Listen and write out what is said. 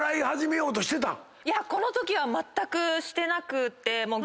このときはまったくしてなくて。